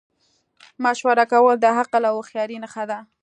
مشوره کول د عقل او هوښیارۍ نښه ده.